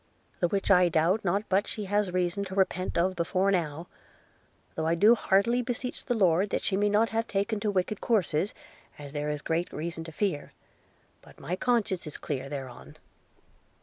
the which I doubt not but she has reason to repent of before now; though I do heartily beseech the Lord that she may not have taken to wicked courses, as there is great reason to fear; but my conscience is clear thereon.